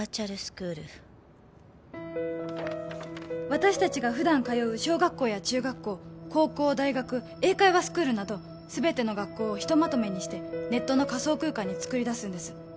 私達が普段通う小学校や中学校高校大学英会話スクールなど全ての学校をひとまとめにしてネットの仮想空間につくりだすんです